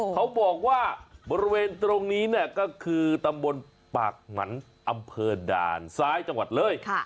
เขาบอกว่าบริเวณตรงนี้เนี่ยก็คือตำบลปากหมันอำเภอด่านซ้ายจังหวัดเลย